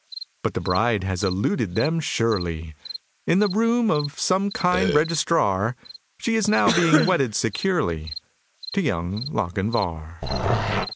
But the bride has eluded them surely; In the room of some kind Registrar, She is now being wedded securely To Young Lochinvar!